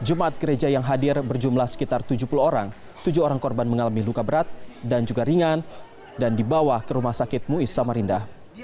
jemaat gereja yang hadir berjumlah sekitar tujuh puluh orang tujuh orang korban mengalami luka berat dan juga ringan dan dibawa ke rumah sakit muiz samarinda